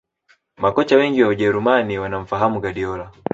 Makocha Wengi wa ujerumani wanamfahamu Guardiola